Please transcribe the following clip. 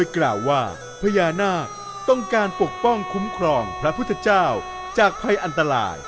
กล่าวว่าพญานาคต้องการปกป้องคุ้มครองพระพุทธเจ้าจากภัยอันตราย